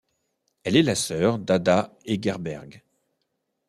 Elle est la sœur d'Ada Hegerberg.